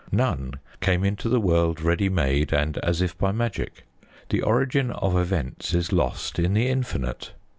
None came into the world ready made, and as if by magic. The origin of events is lost in the infinite.